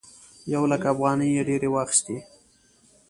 یو لک افغانۍ یې ډېرې واخيستې.